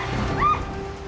ini banyak parrot